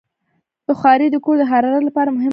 بخاري د کور د حرارت لپاره مهم رول لري.